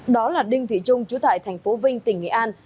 đó là đinh thị trung chú tại thành phố vinh tỉnh nghệ an